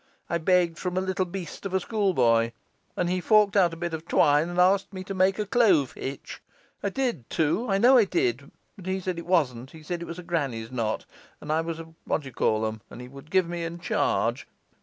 I begged from a little beast of a schoolboy, and he forked out a bit of twine, and asked me to make a clove hitch; I did, too, I know I did, but he said it wasn't, he said it was a granny's knot, and I was a what d'ye call 'em, and he would give me in charge.